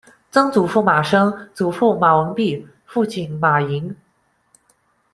曾祖父马升；祖父马文毓；父亲马寅。